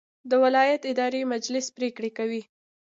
د ولایت اداري مجلس پریکړې کوي